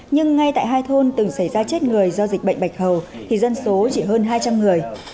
nhưng ngay tại hai thôn từng xảy ra chết người do dịch bệnh bạch hầu thì dân số chỉ hơn hai trăm linh người